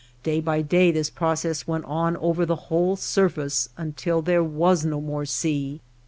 Day by day this process went on over the whole surface until there was no more sea.